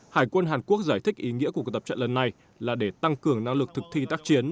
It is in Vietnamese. hải quân hàn quốc giải thích ý nghĩa của cuộc tập trận lần này là để tăng cường năng lực thực thi tác chiến